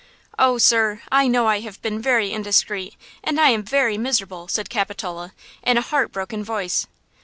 "Oh, sir, I know I have been very indiscreet, and I am very miserable," said Capitola, in a heart broken voice.